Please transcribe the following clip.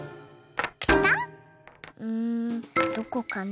うんどこかな？